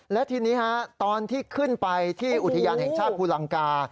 และทีนี้ตอนที่ขึ้นไปที่อุทยานแห่งชาติภูลังกา